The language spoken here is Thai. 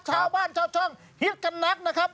ชาวบ้านชาวช่องฮิตกันนักนะครับ